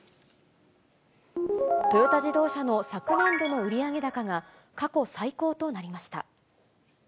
トヨタ自動車の昨年度の売上高が過去最高となりました。